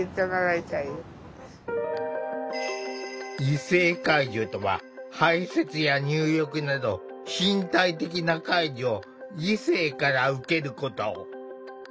異性介助とは排せつや入浴など身体的な介助を異性から受けること。